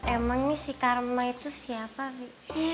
emang si karma itu siapa bi